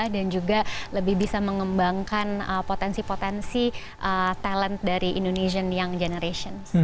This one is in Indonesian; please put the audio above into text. dan juga lebih bisa mengembangkan potensi potensi talent dari indonesian young generation